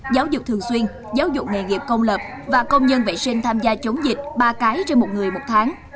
giáo dục thường xuyên giáo dục nghề nghiệp công lập và công nhân vệ sinh tham gia chống dịch ba cái trên một người một tháng